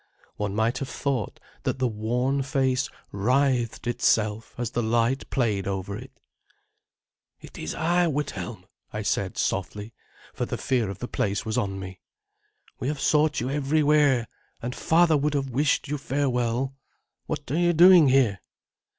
One might have thought that the worn face writhed itself as the light played over it. "It is I, Withelm," I said softly, for the fear of the place was on me. "We have sought you everywhere, and father would have wished you farewell. What are you doing here?"